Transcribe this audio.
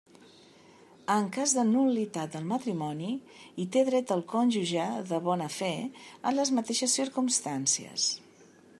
En cas de nul·litat del matrimoni, hi té dret el cònjuge de bona fe, en les mateixes circumstàncies.